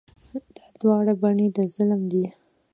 دا دواړه بڼې د ظلم دي.